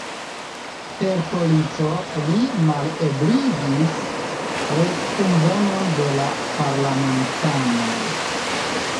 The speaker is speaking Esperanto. Per polico li malebligis re-kunvenon de la parlamentanoj.